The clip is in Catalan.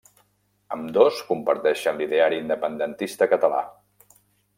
Ambdós comparteixen l'ideari independentista català.